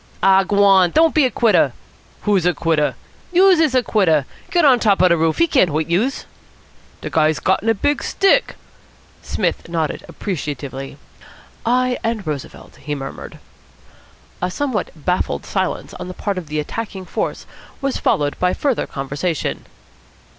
"Aw g'wan! Don't be a quitter!" "Who's a quitter?" "Youse is a quitter. Get on top de roof. He can't hoit youse." "De guy's gotten a big stick." Psmith nodded appreciatively. "I and Roosevelt," he murmured. A somewhat baffled silence on the part of the attacking force was followed by further conversation.